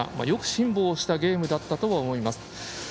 よく辛抱したゲームだったとは思います。